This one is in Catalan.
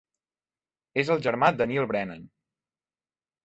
És el germà de Neal Brennan.